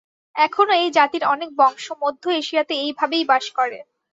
এখনও এই জাতির অনেক বংশ মধ্য-এশিয়াতে এই ভাবেই বাস করে।